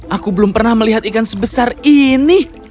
aku belum pernah melihat ikan sebesar ini